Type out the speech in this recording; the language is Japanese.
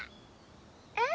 うん！